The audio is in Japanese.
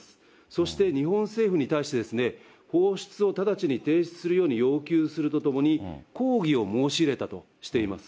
そして日本政府に対して、放出を直ちに停止するように要求するとともに、抗議を申し入れたとしています。